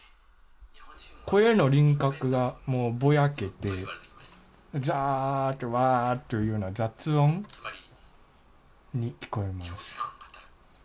声の輪郭がぼやけて、ざーと、わーっというような雑音に聞こえます。